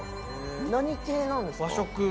何系なんですか？